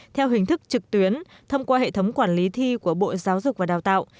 theo hình thức trực tuyến thông qua hệ thống quản lý thi của bộ giáo dục và đào tạo